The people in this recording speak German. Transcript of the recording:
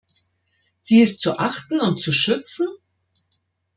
Sie ist zu achten und zu schützen?